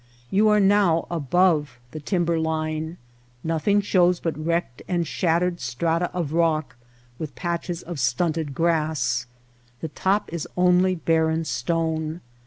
You are now above the timber line. Nothing shows but wrecked and shattered strata of rock with patches of MOUNTAIN BAERIEES 225 stunted grass. The top is only barren stone.